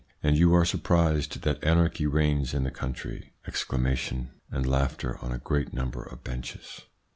And you are surprised that anarchy reigns in the country ! (Exclamations and laughter on a great number of benches.